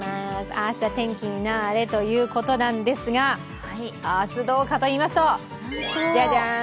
明日天気になぁれということなんですが明日どうかといいますとじゃじゃーん。